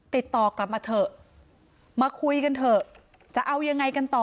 ติดต่อกลับมาเถอะมาคุยกันเถอะจะเอายังไงกันต่อ